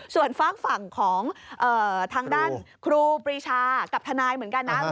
ส่วนฝากฝั่งของทางด้านครูปรีชากับทนายเหมือนกันนะ